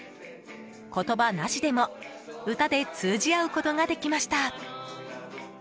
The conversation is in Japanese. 言葉なしでも歌で通じ合うことができました。